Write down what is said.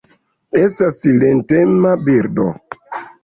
Estas silentema birdo.